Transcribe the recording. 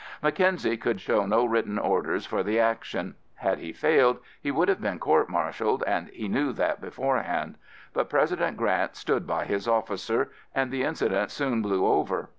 Mackenzie could show no written orders for the action. Had he failed, he would have been court martialed, and he knew that beforehand. But President Grant stood by his officer, and the incident soon blew over.